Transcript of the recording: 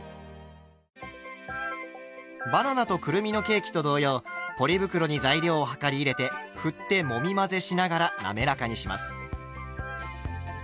バナナとくるみのケーキと同様ポリ袋に材料を量り入れてふってもみ混ぜしながら滑らかにします。